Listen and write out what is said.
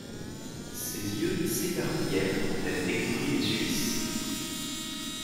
Ses yeux s'écarquillèrent quand elle découvrit les Suisses.